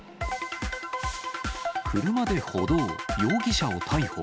車で歩道、容疑者を逮捕。